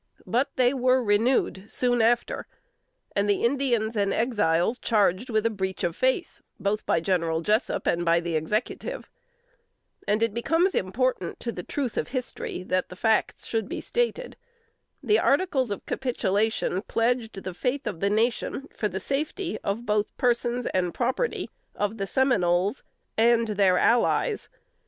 But they were renewed soon after, and the Indians and Exiles charged with a breach of faith, both by General Jessup and by the Executive. And it becomes important to the truth of history, that facts should be stated. The articles of capitulation pledged the faith of the nation for the safety of both persons and property of the "Seminoles and their allies."